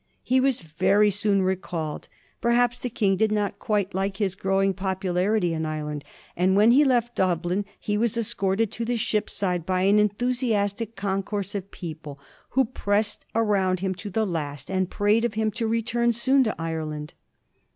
He was very soon recalled ; perhaps the King did not quite like his growing popularity in Ireland ; and when he left Dublin he was escorted to the ship's side by an enthusiastic con course of people, who pressed around him to the last and prayed of him to return soon to Ireland.